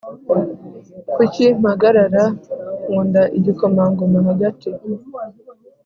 kuki mpagarara nkunda igikomangoma hagati